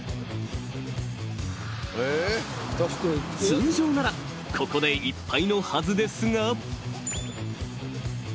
［通常ならここでいっぱいのはずですが］